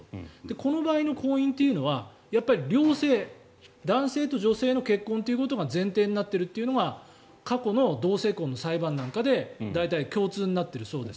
この場合の婚姻というのはやっぱり、両性男性と女性の結婚ということが前提になっているのが過去の同性婚の裁判で大体共通になっているそうです。